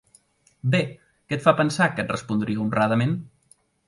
Bé, què et fa pensar que et respondria honradament?